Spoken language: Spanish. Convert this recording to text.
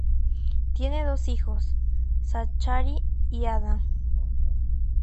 Tienen dos hijos, Zachary y Adam.